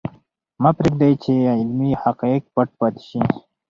مه پرېږدئ چې علمي حقایق پټ پاتې شي.